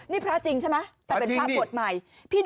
นี่พระจริงใช่ไหมแต่เป็นพระบวชใหม่